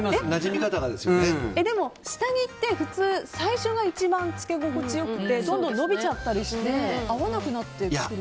でも下着って普通最初が一番着け心地が良くてどんどん伸びちゃったりして合わなくなってくる。